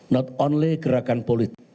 tidak hanya gerakan politik